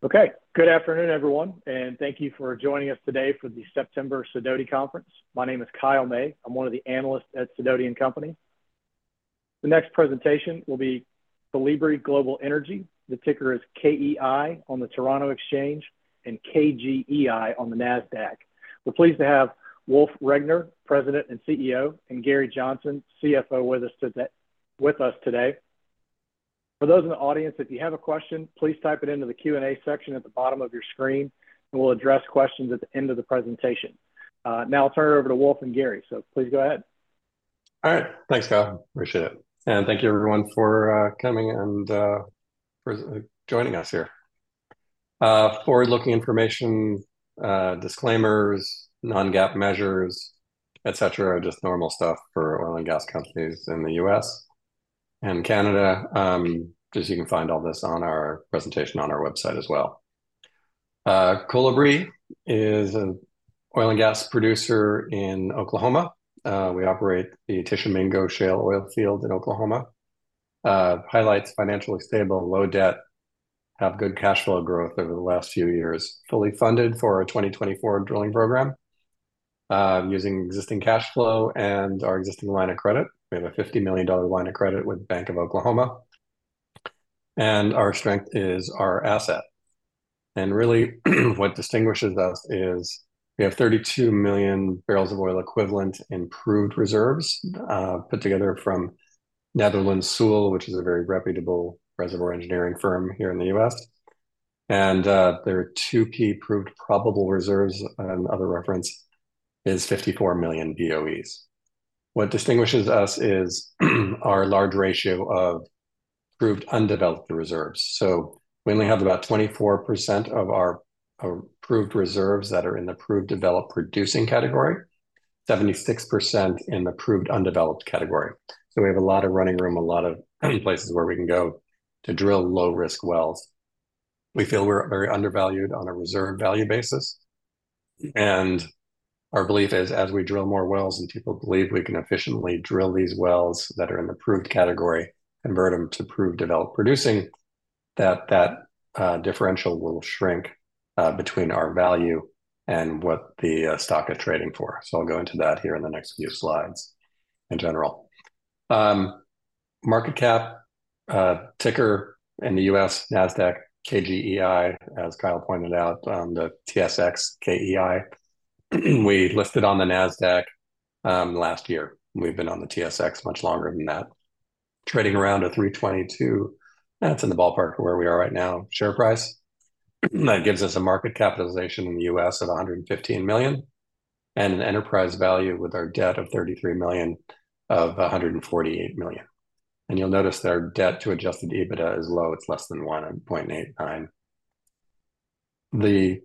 Okay. Good afternoon, everyone, and thank you for joining us today for the September Sidoti Conference. My name is Kyle May. I'm one of the analysts at Sidoti & Company. The next presentation will be Kolibri Global Energy. The ticker is KEI on the Toronto Exchange and KGEI on the Nasdaq. We're pleased to have Wolf Regener, President and CEO, and Gary Johnson, CFO, with us today. For those in the audience, if you have a question, please type it into the Q&A section at the bottom of your screen, and we'll address questions at the end of the presentation. Now I'll turn it over to Wolf and Gary, so please go ahead. All right. Thanks, Kyle, appreciate it. And thank you everyone for coming and for joining us here. Forward-looking information disclaimers, non-GAAP measures, et cetera, just normal stuff for oil and gas companies in the U.S. and Canada. Just you can find all this on our presentation on our website as well. Kolibri is an oil and gas producer in Oklahoma. We operate the Tishomingo Shale oil field in Oklahoma. Highlights: financially stable, low debt, have good cash flow growth over the last few years, fully funded for our 2024 drilling program, using existing cash flow and our existing line of credit. We have a $50 million line of credit with Bank of Oklahoma, and our strength is our asset. Really, what distinguishes us is we have 32 million barrels of oil equivalent in proved reserves, put together from Netherland Sewell, which is a very reputable reservoir engineering firm here in the U.S. There are two key proved probable reserves, and other reference is 54 million BOEs. What distinguishes us is our large ratio of proved undeveloped reserves. We only have about 24% of our proved reserves that are in the proved developed producing category, 76% in the proved undeveloped category. We have a lot of running room, a lot of places where we can go to drill low-risk wells. We feel we're very undervalued on a reserve value basis, and our belief is as we drill more wells, and people believe we can efficiently drill these wells that are in the proved category, convert them to proved developed producing, that differential will shrink between our value and what the stock is trading for. So I'll go into that here in the next few slides in general. Market cap, ticker in the U.S., Nasdaq: KGEI, as Kyle pointed out, the TSX: KEI. We listed on the Nasdaq last year. We've been on the TSX much longer than that, trading around at $3.22. That's in the ballpark of where we are right now. Share price, that gives us a market capitalization in the U.S. of $115 million, and an enterprise value with our debt of $33 million, of $148 million. And you'll notice that our debt to Adjusted EBITDA is low, it's less than one at 0.89. The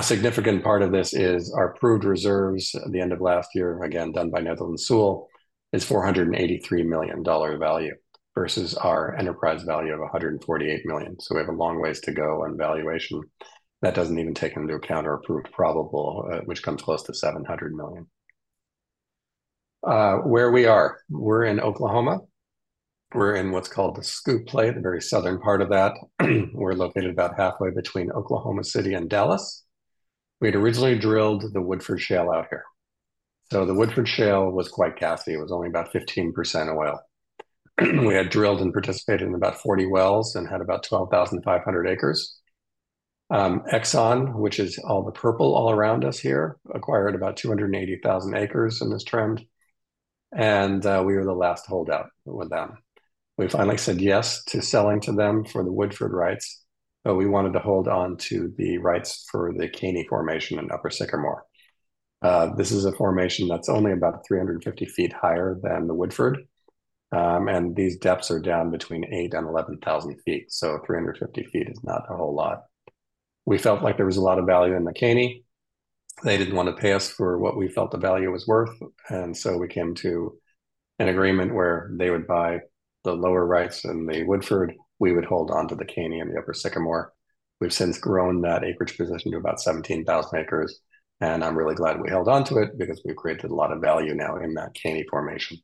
significant part of this is our proved reserves at the end of last year, again, done by Netherland Sewell, is $483 million value versus our enterprise value of $148 million. So we have a long ways to go on valuation. That doesn't even take into account our proved probable, which comes close to $700 million. Where we are? We're in Oklahoma. We're in what's called the SCOOP Play, the very southern part of that. We're located about halfway between Oklahoma City and Dallas.We'd originally drilled the Woodford Shale out here, so the Woodford Shale was quite gassy. It was only about 15% oil. We had drilled and participated in about forty wells and had about 12,500 acres. Exxon, which is all the purple all around us here, acquired about 280,000 acres in this trend, and we were the last holdout with them. We finally said yes to selling to them for the Woodford rights, but we wanted to hold on to the rights for the Caney Formation and Upper Sycamore. This is a formation that's only about 350 feet higher than the Woodford, and these depths are down between 8000 feet and 11,000 feet, so 350 feet is not a whole lot. We felt like there was a lot of value in the Caney.They didn't want to pay us for what we felt the value was worth, and so we came to an agreement where they would buy the lower rights in the Woodford. We would hold on to the Caney and the Upper Sycamore. We've since grown that acreage position to about 17,000 acres, and I'm really glad we held on to it because we've created a lot of value now in that Caney Formation,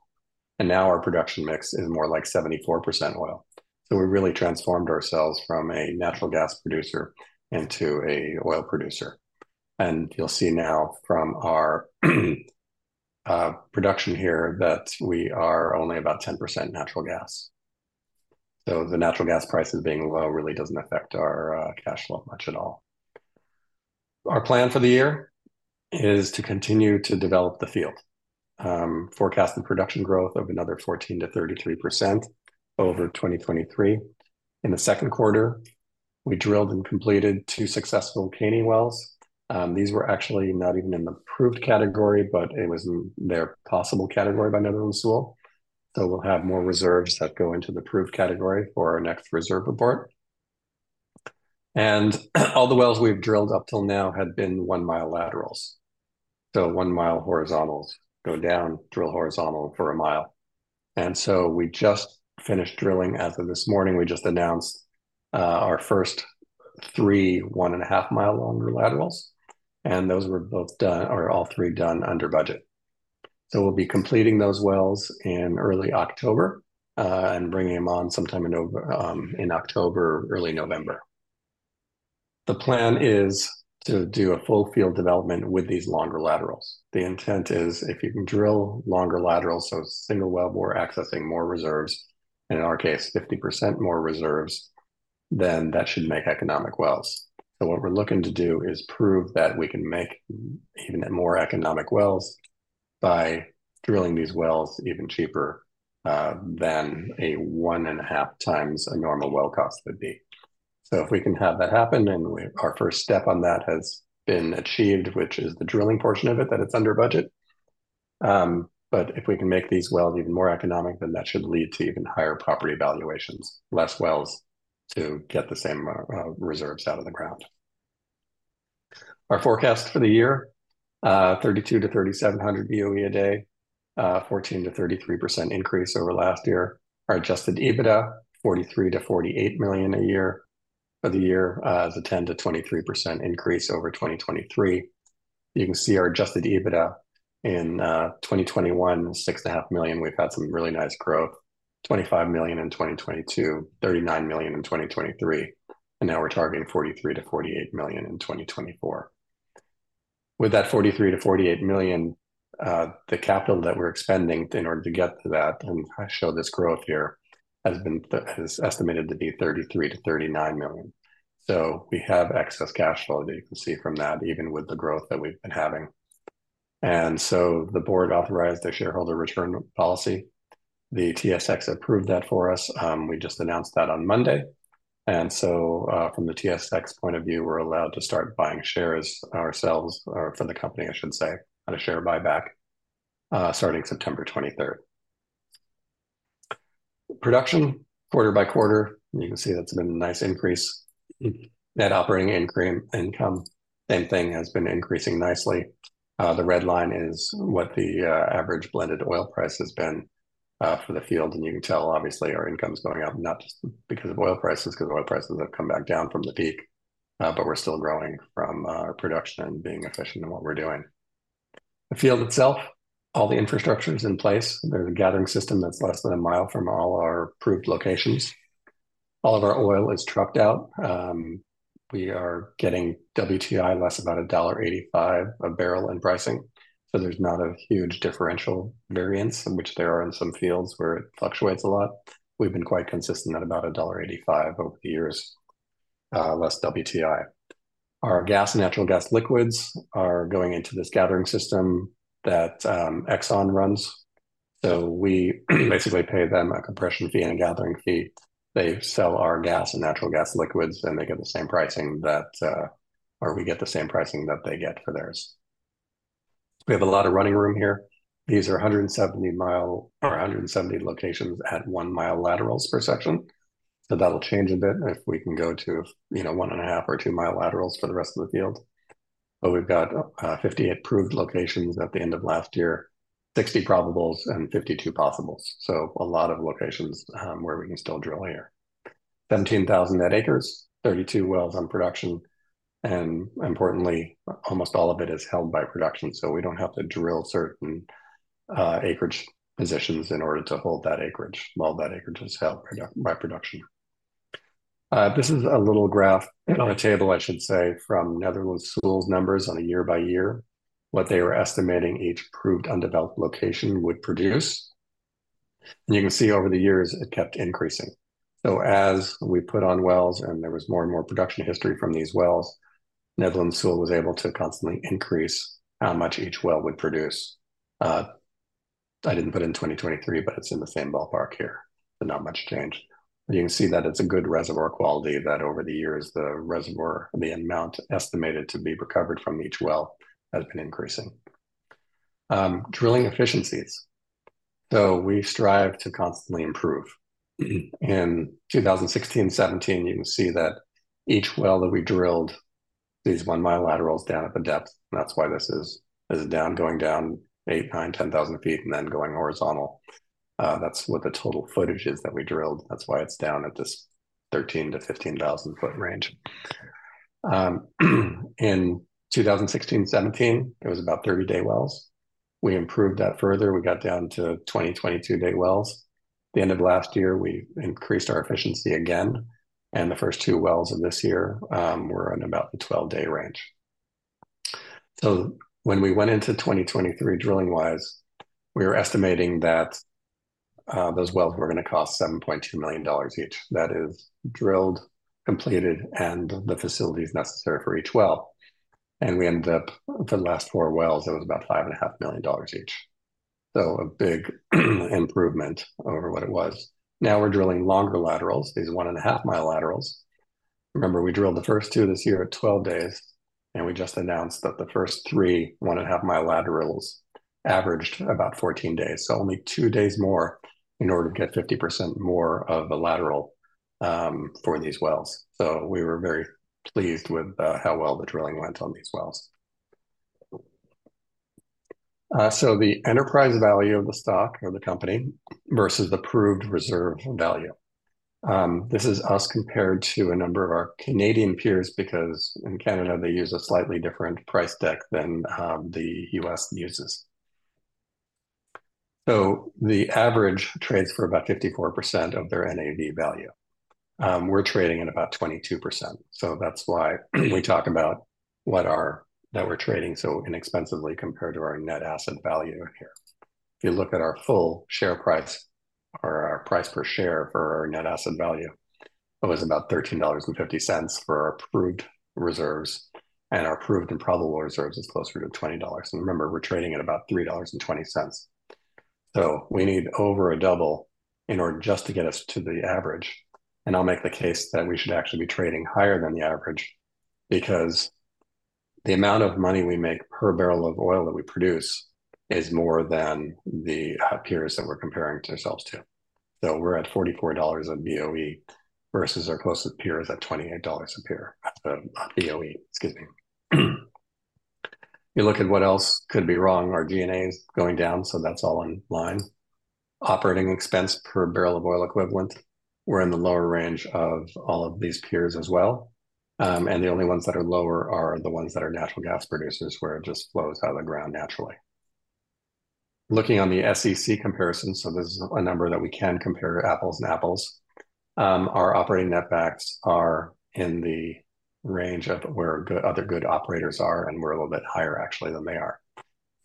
and now our production mix is more like 74% oil. So we've really transformed ourselves from a natural gas producer into a oil producer, and you'll see now from our production here that we are only about 10% natural gas. So the natural gas prices being low really doesn't affect our cash flow much at all. Our plan for the year is to continue to develop the field. Forecast the production growth of another 14%-33% over 2023. In the second quarter, we drilled and completed two successful Caney wells. These were actually not even in the proved category, but it was in their possible category by Netherland Sewell, so we'll have more reserves that go into the proved category for our next reserve report, and all the wells we've drilled up till now had been one-mile laterals, so one mile horizontals, go down, drill horizontal for a mile, and so we just finished drilling. As of this morning, we just announced our first three, one-and-a-half-mile longer laterals, and those were both done, or all three done under budget, so we'll be completing those wells in early October, and bringing them on sometime in October or early November.The plan is to do a full field development with these longer laterals. The intent is, if you can drill longer laterals, so single wellbore accessing more reserves, and in our case, 50% more reserves, then that should make economic wells, so what we're looking to do is prove that we can make even more economic wells by drilling these wells even cheaper than a one and a half times a normal well cost would be, so if we can have that happen, and our first step on that has been achieved, which is the drilling portion of it, that it's under budget, but if we can make these wells even more economic, then that should lead to even higher property valuations, less wells to get the same reserves out of the ground. Our forecast for the year, 3,200-3,700 BOE a day, 14%-33% increase over last year. Our adjusted EBITDA, $43 million-$48 million a year. For the year, is a 10%-23% increase over 2023. You can see our adjusted EBITDA in 2021, $6.5 million. We've had some really nice growth, $25 million in 2022, $39 million in 2023, and now we're targeting $43 million-$48 million in 2024. With that $43 million-$48 million, the capital that we're expending in order to get to that, and I show this growth here, is estimated to be $33 million-$39 million. So we have excess cash flow that you can see from that, even with the growth that we've been having. And so the board authorized a shareholder return policy. The TSX approved that for us. We just announced that on Monday. And so, from the TSX point of view, we're allowed to start buying shares ourselves, or for the company, I should say, on a share buyback, starting September twenty-third. Production, quarter by quarter, and you can see that's been a nice increase. Net operating income, same thing, has been increasing nicely. The red line is what the average blended oil price has been, for the field. And you can tell, obviously, our income's going up, not just because of oil prices, 'cause oil prices have come back down from the peak, but we're still growing from production and being efficient in what we're doing. The field itself, all the infrastructure is in place. There's a gathering system that's less than a mile from all our approved locations. All of our oil is trucked out. We are getting WTI less about $1.85 a barrel in pricing, so there's not a huge differential variance, in which there are in some fields where it fluctuates a lot. We've been quite consistent at about $1.85 over the years, less WTI. Our gas, natural gas liquids are going into this gathering system that Exxon runs. So we basically pay them a compression fee and a gathering fee. They sell our gas and natural gas liquids, and they get the same pricing that or we get the same pricing that they get for theirs. We have a lot of running room here. These are 170 mile, or 170 locations at one-mile laterals per section. So that'll change a bit if we can go to, you know, one and a half or two-mile laterals for the rest of the field. But we've got 58 proved locations at the end of last year, 60 probables and 52 possibles. So a lot of locations where we can still drill here. 17,000 net acres, 32 wells on production, and importantly, almost all of it is held by production, so we don't have to drill certain acreage positions in order to hold that acreage, while that acreage is held by production. This is a little graph, on a table, I should say, from Netherland Sewell's numbers on a year by year, what they were estimating each proved undeveloped location would produce. And you can see over the years, it kept increasing. So as we put on wells, and there was more and more production history from these wells, Netherlands Sewell was able to constantly increase how much each well would produce. I didn't put in 2023, but it's in the same ballpark here, so not much change. You can see that it's a good reservoir quality, that over the years, the reservoir, the amount estimated to be recovered from each well has been increasing. Drilling efficiencies. So we strive to constantly improve. In 2016, 2017, you can see that each well that we drilled, these one-mile laterals down at the depth, and that's why this is down, going down 8,000, 9,000, 10,000 feet and then going horizontal. That's what the total footage is that we drilled. That's why it's down at this 13,000 foot-15,000 foot range. In 2016, 2017, it was about 30-day wells. We improved that further. We got down to 20-22-day wells. The end of last year, we increased our efficiency again, and the first two wells of this year were in about the 12-day range. When we went into 2023, drilling-wise, we were estimating that those wells were gonna cost $7.2 million each. That is drilled, completed, and the facilities necessary for each well. We ended up, the last 4 wells, it was about $5.5 million each. So a big improvement over what it was. Now we're drilling longer laterals, these one and a half-mile laterals. Remember, we drilled the first two this year at 12 days, and we just announced that the first three one-and-a-half-mile laterals averaged about 14 days. So only two days more in order to get 50% more of a lateral, for these wells. So we were very pleased with how well the drilling went on these wells. So the enterprise value of the stock or the company versus the proved reserve value. This is us compared to a number of our Canadian peers, because in Canada, they use a slightly different price deck than, the U.S. uses. So the average trades for about 54% of their NAV value. We're trading at about 22%, so that's why we talk about what our- that we're trading so inexpensively compared to our net asset value in here. If you look at our full share price or our price per share for our net asset value, it was about $13.50 for our proved reserves, and our proved and probable reserves is closer to $20. And remember, we're trading at about $3.20. So we need over a double in order just to get us to the average, and I'll make the case that we should actually be trading higher than the average, because the amount of money we make per barrel of oil that we produce is more than the peers that we're comparing ourselves to. So we're at $44 a BOE versus our closest peers at $28 a BOE, excuse me. You look at what else could be wrong, our G&A is going down, so that's all in line. Operating expense per barrel of oil equivalent, we're in the lower range of all of these peers as well, and the only ones that are lower are the ones that are natural gas producers, where it just flows out of the ground naturally. Looking on the SEC comparison, so this is a number that we can compare apples and apples. Our operating net backs are in the range of where good, other good operators are, and we're a little bit higher, actually, than they are,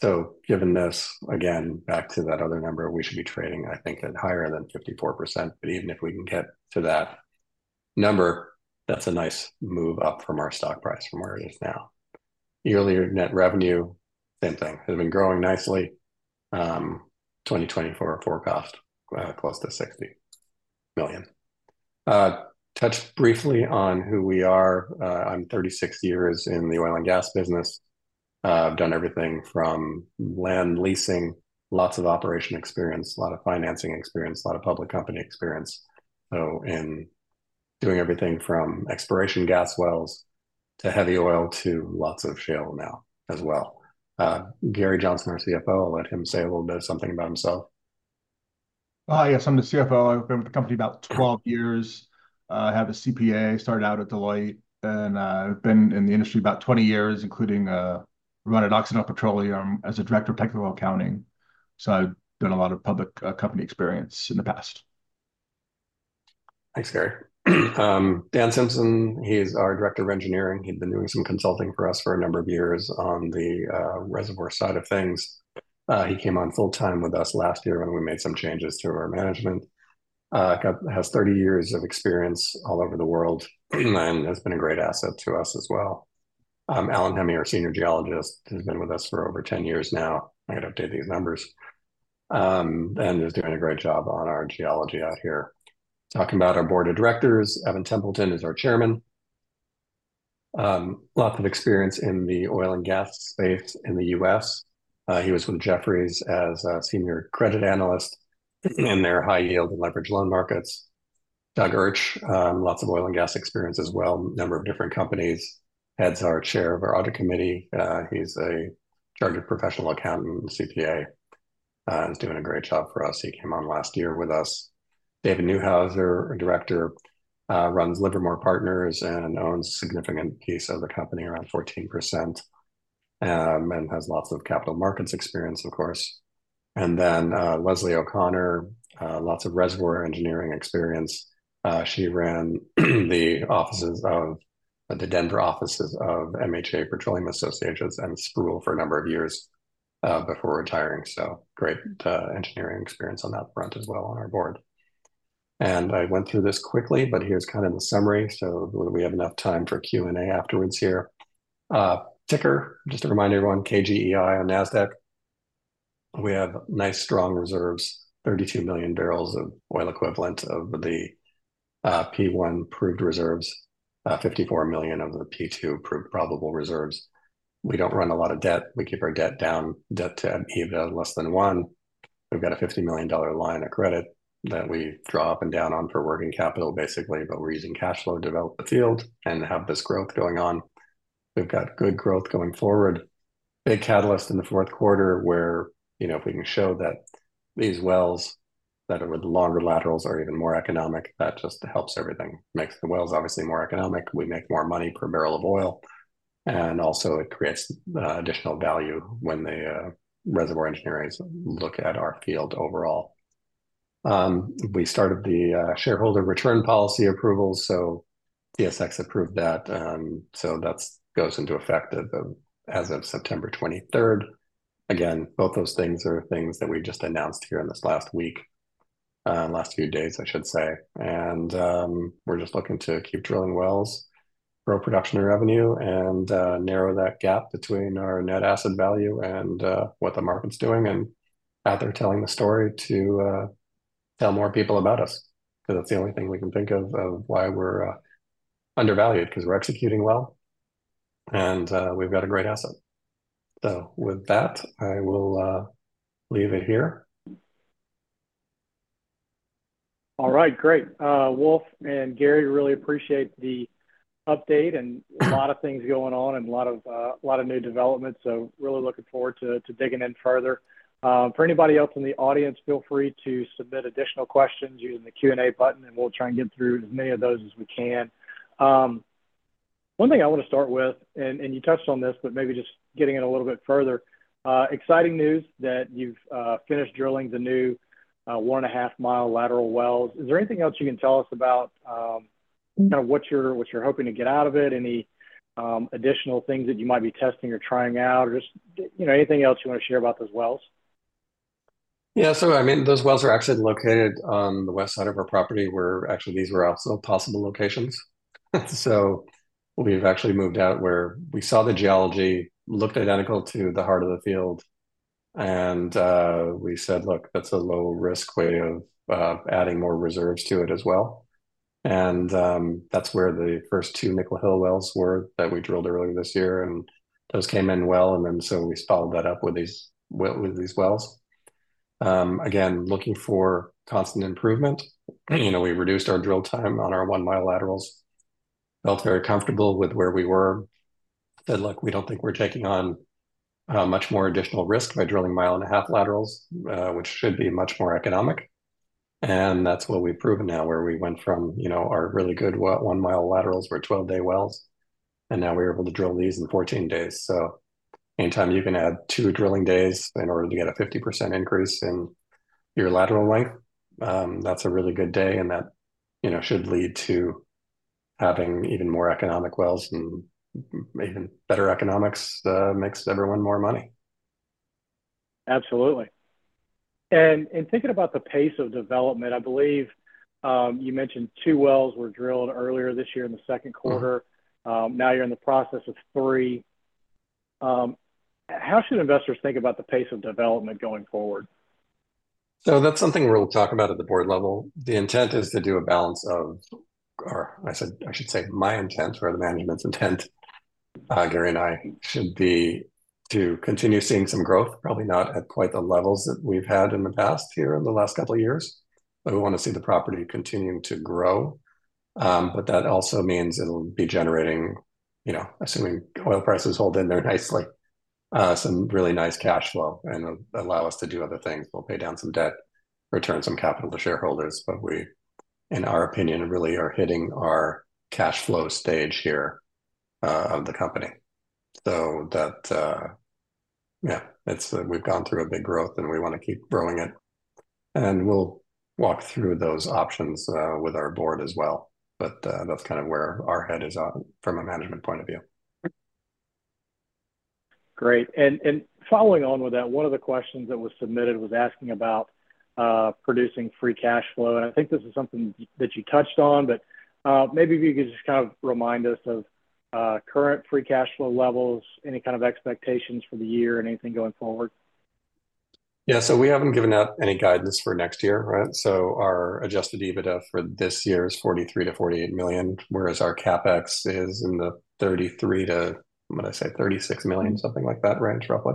so given this, again, back to that other number, we should be trading, I think, at higher than 54%. But even if we can get to that number, that's a nice move up from our stock price from where it is now. Yearly net revenue, same thing, has been growing nicely. 2024 forecast, close to $60 million. Touch briefly on who we are. I'm thirty-six years in the oil and gas business. I've done everything from land leasing, lots of operation experience, a lot of financing experience, a lot of public company experience, so in doing everything from exploration gas wells to heavy oil to lots of shale now as well. Gary Johnson, our CFO, I'll let him say a little bit something about himself. Hi, yes, I'm the CFO. I've been with the company about 12 years. I have a CPA, started out at Deloitte, and I've been in the industry about 20 years, including running Occidental Petroleum as a director of technical accounting. So I've done a lot of public company experience in the past. Thanks, Gary. Dan Simpson, he's our Director of Engineering. He'd been doing some consulting for us for a number of years on the reservoir side of things. He came on full time with us last year when we made some changes to our management. Has 30 years of experience all over the world, and has been a great asset to us as well. Alan Hemming, our Senior Geologist, who's been with us for over 10 years now. I've got to update these numbers, and is doing a great job on our geology out here. Talking about our board of directors, Evan Templeton is our Chairman. Lots of experience in the oil and gas space in the U.S. He was with Jefferies as a Senior Credit Analyst in their high yield and leverage loan markets. Doug Urch, lots of oil and gas experience as well, a number of different companies, chair of our audit committee. He's a chartered professional accountant, CPA, and he's doing a great job for us. He came on last year with us. David Neuhauser, our director, runs Livermore Partners and owns a significant piece of the company, around 14%, and has lots of capital markets experience, of course. And then, Leslie O'Connor, lots of reservoir engineering experience. She ran the Denver offices of MHA Petroleum Associates and Sproule for a number of years, before retiring. Great engineering experience on that front as well on our board. And I went through this quickly, but here's kind of the summary, so we have enough time for Q&A afterwards here. Ticker, just to remind everyone, KGEI on Nasdaq. We have nice, strong reserves, 32 million barrels of oil equivalent of the P1 proved reserves, 54 million of the P2 proved probable reserves. We don't run a lot of debt. We keep our debt down, debt-to-EBITDA less than one. We've got a $50 million line of credit that we draw up and down on for working capital, basically, but we're using cash flow to develop the field and have this growth going on. We've got good growth going forward. Big catalyst in the fourth quarter, where, you know, if we can show that these wells that are with longer laterals are even more economic, that just helps everything. Makes the wells obviously more economic, we make more money per barrel of oil, and also it creates additional value when the reservoir engineers look at our field overall. We started the shareholder return policy approval, so TSX approved that. So that's goes into effect of, as of September twenty-third. Again, both those things are things that we just announced here in this last week, last few days, I should say. And, we're just looking to keep drilling wells, grow production and revenue, and narrow that gap between our net asset value and what the market's doing, and out there telling the story to tell more people about us, because that's the only thing we can think of, of why we're undervalued, because we're executing well, and we've got a great asset. With that, I will leave it here. All right, great. Wolf and Gary, really appreciate the update and a lot of things going on, and a lot of new developments, so really looking forward to digging in further. For anybody else in the audience, feel free to submit additional questions using the Q&A button, and we'll try and get through as many of those as we can. One thing I want to start with, and you touched on this, but maybe just getting in a little bit further, exciting news that you've finished drilling the new one-and-a-half-mile lateral wells. Is there anything else you can tell us about, you know, what you're hoping to get out of it? Any additional things that you might be testing or trying out, or just, you know, anything else you want to share about those wells? Yeah, so I mean, those wells are actually located on the west side of our property, where actually these were also possible locations, so we've actually moved out where we saw the geology looked identical to the heart of the field, and we said, "Look, that's a low-risk way of adding more reserves to it as well," and that's where the first two Nickel Hill wells were that we drilled earlier this year, and those came in well, and then so we followed that up with these wells. Again, looking for constant improvement. You know, we reduced our drill time on our one-mile laterals, felt very comfortable with where we were. Said, "Look, we don't think we're taking on much more additional risk by drilling a mile-and-a-half laterals, which should be much more economic," and that's what we've proven now, where we went from, you know, our really good one-mile laterals were 12-day wells, and now we're able to drill these in 14 days. So anytime you can add two drilling days in order to get a 50% increase in your lateral length, that's a really good day, and that, you know, should lead to having even more economic wells and even better economics, makes everyone more money. Absolutely. And thinking about the pace of development, I believe, you mentioned two wells were drilled earlier this year in the second quarter. Mm-hmm. Now you're in the process of three. How should investors think about the pace of development going forward? So that's something we'll talk about at the board level. The intent is to do a balance of... or I said- I should say, my intent or the management's intent, Gary and I, should be to continue seeing some growth, probably not at quite the levels that we've had in the past here over the last couple of years, but we want to see the property continuing to grow. But that also means it'll be generating, you know, assuming oil prices hold in there nicely, some really nice cash flow and allow us to do other things. We'll pay down some debt, return some capital to shareholders, but we, in our opinion, really are hitting our cash flow stage here, of the company. So that... yeah, it's, we've gone through a big growth, and we want to keep growing it. And we'll walk through those options with our board as well, but that's kind of where our head is at from a management point of view. Great. And following on with that, one of the questions that was submitted was asking about producing free cash flow, and I think this is something that you touched on, but maybe if you could just kind of remind us of current free cash flow levels, any kind of expectations for the year or anything going forward? Yeah, so we haven't given out any guidance for next year, right? So our Adjusted EBITDA for this year is $43 million-$48 million, whereas our CapEx is in the $33 million-$36 million, something like that range, roughly.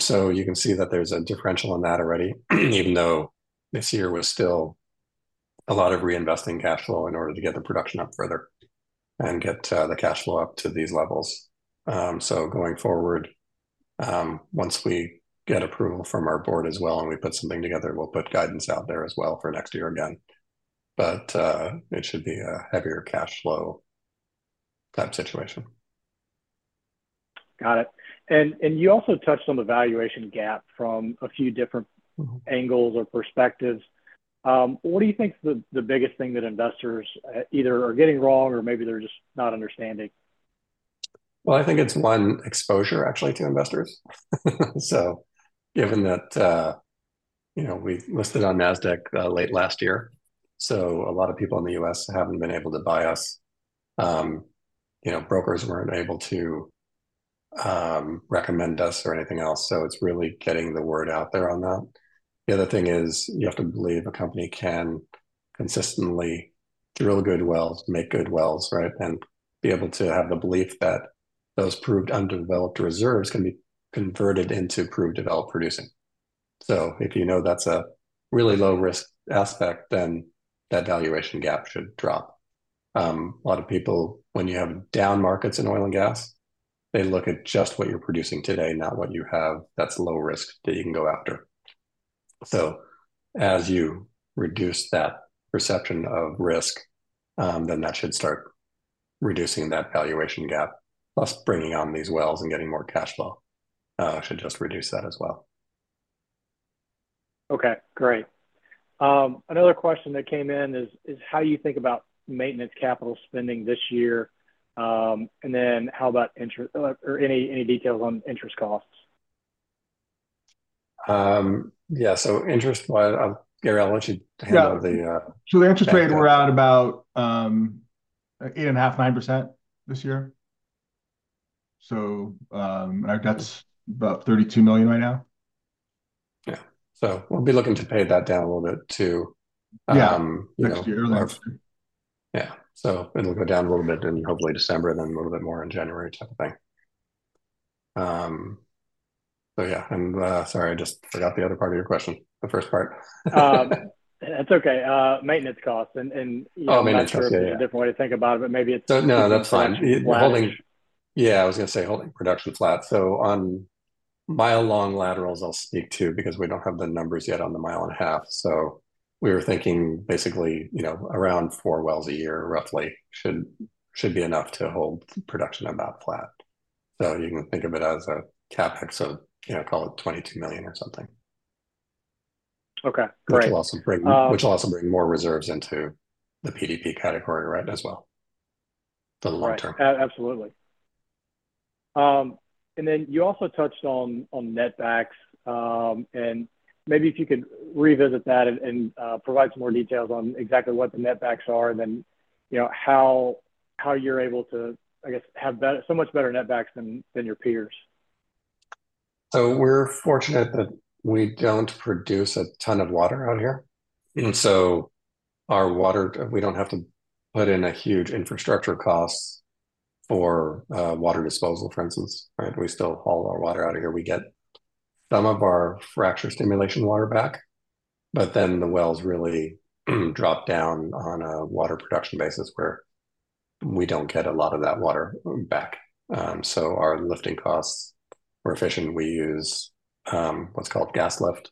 So you can see that there's a differential on that already, even though this year was still a lot of reinvesting cash flow in order to get the production up further and get the cash flow up to these levels. So going forward, once we get approval from our board as well, and we put something together, we'll put guidance out there as well for next year again. But it should be a heavier cash flow type situation. Got it. And you also touched on the valuation gap from a few different- Mm-hmm... angles or perspectives. What do you think is the biggest thing that investors either are getting wrong or maybe they're just not understanding? I think it's one, exposure actually to investors. So given that, you know, we listed on Nasdaq late last year, so a lot of people in the U.S. haven't been able to buy us. You know, brokers weren't able to recommend us or anything else, so it's really getting the word out there on that. The other thing is, you have to believe a company can consistently drill good wells, make good wells, right? And be able to have the belief that those proved undeveloped reserves can be converted into proved developed producing. So if you know that's a really low-risk aspect, then that valuation gap should drop. A lot of people, when you have down markets in oil and gas, they look at just what you're producing today, not what you have that's low risk that you can go after. So as you reduce that perception of risk, then that should start reducing that valuation gap, plus bringing on these wells and getting more cash flow, should just reduce that as well. Okay, great. Another question that came in is: How do you think about maintenance capital spending this year? And then how about interest or any details on interest costs? Yeah, so, Gary, I want you to handle the Yeah, so the interest rates were at about 8.5%-9% this year, and that's about $32 million right now. Yeah, so we'll be looking to pay that down a little bit to Yeah, next year. Yeah. So it'll go down a little bit in hopefully December, then a little bit more in January type of thing. So yeah, and sorry, I just forgot the other part of your question, the first part. That's okay. Maintenance costs. Oh, maintenance costs. Yeah. There might be a different way to think about it, but maybe it's- No, no, that's fine. Flat. Yeah, I was gonna say holding production flat. So on mile-long laterals, I'll speak to, because we don't have the numbers yet on the mile and a half. So we were thinking basically, you know, around four wells a year roughly should be enough to hold production of that flat. So you can think of it as a CapEx of, you know, call it $22 million or something. Okay, great. Which will also bring- Um- Which will also bring more reserves into the PDP category, right, as well, for the long term. Right. Absolutely. And then you also touched on net backs. And maybe if you could revisit that and provide some more details on exactly what the net backs are, and then, you know, how you're able to, I guess, have better - so much better net backs than your peers? We're fortunate that we don't produce a ton of water out here, and so our water, we don't have to put in a huge infrastructure cost for water disposal, for instance, right? We still haul our water out of here. We get some of our fracture stimulation water back, but then the wells really drop down on a water production basis, where we don't get a lot of that water back. So our lifting costs, we're efficient. We use what's called gas lift.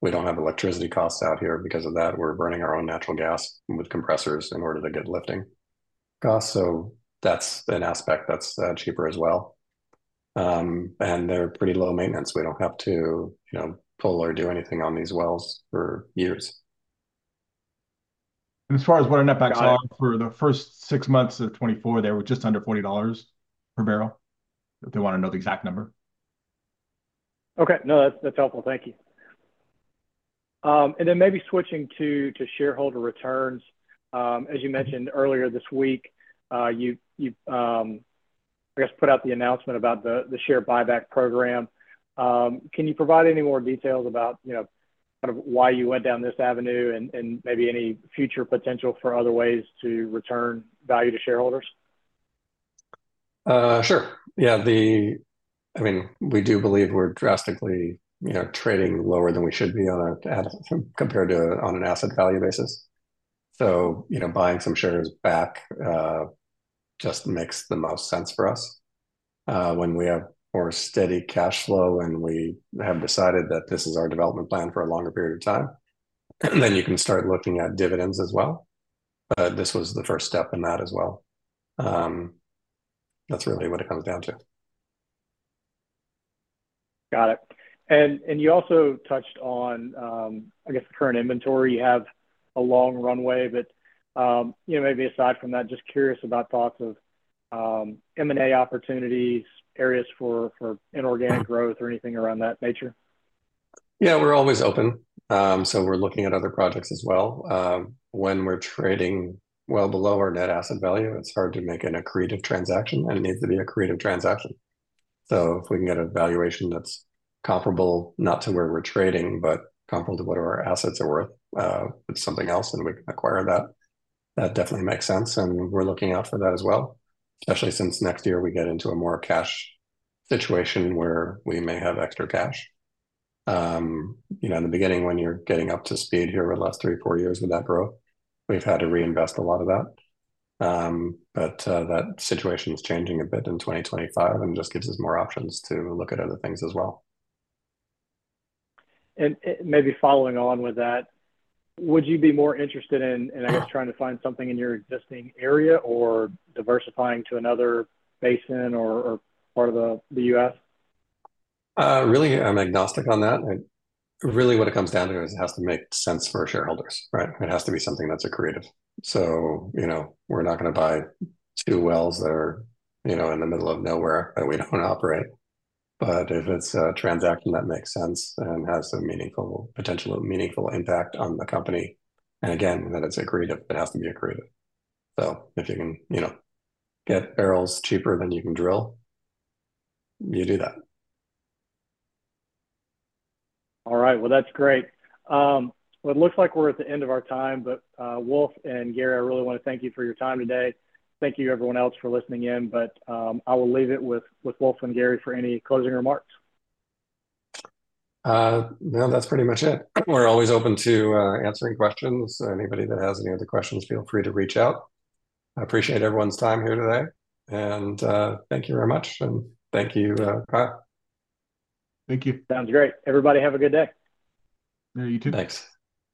We don't have electricity costs out here. Because of that, we're burning our own natural gas with compressors in order to get lifting costs, so that's an aspect that's cheaper as well. And they're pretty low maintenance. We don't have to, you know, pull or do anything on these wells for years. As far as what our netbacks are, for the first six months of 2024, they were just under $40 per barrel, if they want to know the exact number. Okay. No, that's, that's helpful. Thank you, and then maybe switching to shareholder returns. As you mentioned earlier this week, you put out the announcement about the share buyback program. Can you provide any more details about, you know, kind of why you went down this avenue, and maybe any future potential for other ways to return value to shareholders? Sure. Yeah, I mean, we do believe we're drastically, you know, trading lower than we should be on a, at, compared to on an asset value basis. So, you know, buying some shares back just makes the most sense for us. When we have more steady cash flow, and we have decided that this is our development plan for a longer period of time, then you can start looking at dividends as well. But this was the first step in that as well. That's really what it comes down to. Got it. And you also touched on, I guess, current inventory. You have a long runway, but, you know, maybe aside from that, just curious about thoughts of, M&A opportunities, areas for inorganic growth or anything around that nature. Yeah, we're always open, so we're looking at other projects as well. When we're trading well below our net asset value, it's hard to make an accretive transaction, and it needs to be accretive transaction, so if we can get a valuation that's comparable, not to where we're trading, but comparable to what our assets are worth, with something else, and we can acquire that, that definitely makes sense, and we're looking out for that as well. Especially since next year we get into a more cash situation where we may have extra cash. You know, in the beginning, when you're getting up to speed here over the last three, four years with that growth, we've had to reinvest a lot of that. That situation is changing a bit in 2025 and just gives us more options to look at other things as well. Maybe following on with that, would you be more interested in, I guess, trying to find something in your existing area or diversifying to another basin or part of the U.S.? Really, I'm agnostic on that. Really, what it comes down to is it has to make sense for shareholders, right? It has to be something that's accretive. So, you know, we're not gonna buy two wells that are, you know, in the middle of nowhere, and we don't operate. But if it's a transaction that makes sense and has a meaningful potential impact on the company, and again, that it's accretive, it has to be accretive. So if you can, you know, get barrels cheaper than you can drill, you do that. All right. That's great. It looks like we're at the end of our time, but, Wolf and Gary, I really want to thank you for your time today. Thank you, everyone else for listening in, but, I will leave it with Wolf and Gary for any closing remarks. No, that's pretty much it. We're always open to answering questions. So anybody that has any other questions, feel free to reach out. I appreciate everyone's time here today, and thank you very much, and thank you, Kyle. Thank you. Sounds great. Everybody, have a good day. Yeah, you too. Thanks.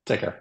Take care.